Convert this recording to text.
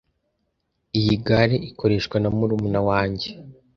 Iyi gare ikoreshwa na murumuna wanjye.